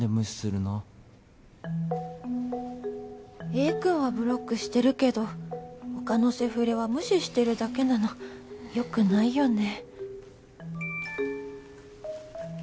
Ａ くんはブロックしてるけど他のセフレは無視してるだけなのよくないよね